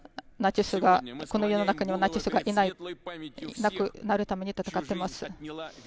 この世の中にナチスがいなくなるために戦っています。